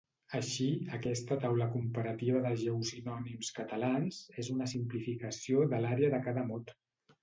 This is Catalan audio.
Així, aquesta taula comparativa de geosinònims catalans és una simplificació de l'àrea de cada mot.